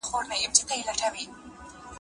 پښتانه په پښتوژبیو وهي، دا زموږ دستور دی